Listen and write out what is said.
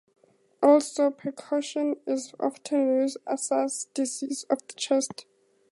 Also, percussion is often used to assess diseases of the chest.